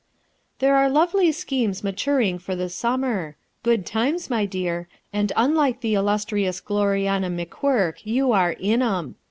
"There are lovely schemes maturing for the summer. 'Good times,' my dear, and unlike the illustrious Gloriana McQuirk you are 'in 'em.'